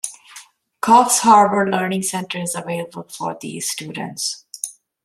Coffs Harbour Learning Centre is available for these students.